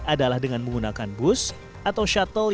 adalah dengan menggunakan bus atau shuttle